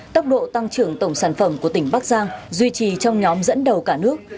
tốc độ tăng trưởng tổng sản phẩm của tỉnh bắc giang duy trì trong nhóm dẫn đầu cả nước